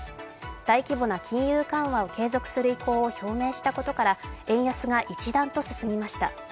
大規模な金融緩和を継続する意向を表明したことから円安が一段と進みました。